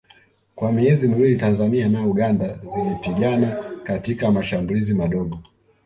Kwa miezi miwili Tanzania na Uganda zilipigana katika mashambulizi madogo